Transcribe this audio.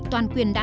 để tham gia